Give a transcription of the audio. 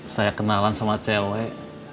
saya kenalan sama cewek